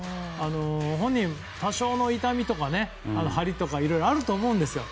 本人、多少の痛みとか張りとかいろいろあると思うんですよ。